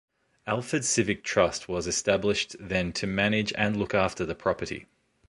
Alford Civic Trust was established then to manage and look after the property.